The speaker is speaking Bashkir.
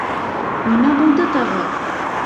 — Нимә булды тағы?!